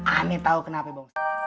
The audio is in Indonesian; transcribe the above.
aneh tau kenapa